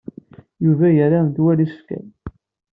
Yuba yerra metwal isefkal.